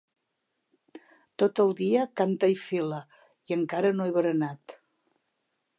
Tot el dia cante i file i encara no he berenat.